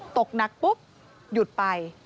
ตกหนักปุ๊บหยุดไป